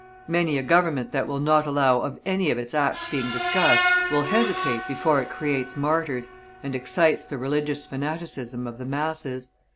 Many a Government that will not allow of any of its acts being discussed, will hesitate before it creates martyrs and excites the religious fanaticism of the masses.